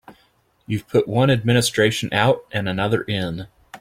You've put one administration out and another in.